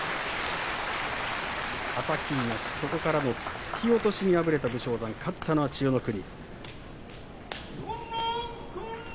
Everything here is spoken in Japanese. はたき、そして突き落としに敗れた武将山、勝ったのは千代の国。